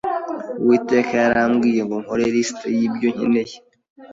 Uwiteka yarambwiye ngo nkore liste y’ibyo nkeneye,